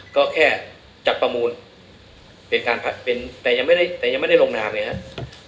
ก็แค่จัดประมูลแต่ยังไม่ได้ลงนามเนี่ยครับ